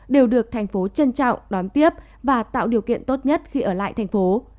đều được thành phố trân trọng đón tiếp và tạo điều kiện tốt nhất khi ở lại thành phố